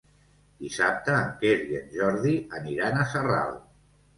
Dissabte en Quer i en Jordi aniran a Sarral.